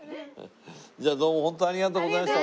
じゃあどうもホントありがとうございました。